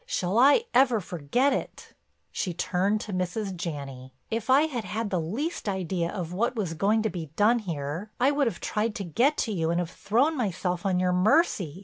Shall I ever forget it!" She turned to Mrs. Janney: "If I had had the least idea of what was going to be done here, I would have tried to get to you and have thrown myself on your mercy.